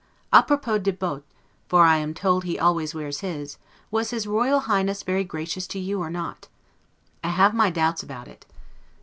'A propos de bottes', for I am told he always wears his; was his Royal Highness very gracious to you, or not? I have my doubts about it.